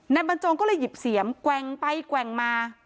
บรรจงก็เลยหยิบเสียมแกว่งไปแกว่งมา